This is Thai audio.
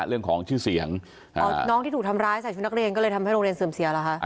เรื่องของชื่อเสียงน้องที่ถูกทำร้ายใส่ชุดนักเรียนก็เลยทำให้โรงเรียนเสื่อมเสียเหรอคะ